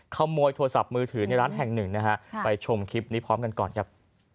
ขโมยโทรศัพท์มือถือในร้านแห่งหนึ่งนะฮะไปชมคลิปนี้พร้อมกันก่อนครับ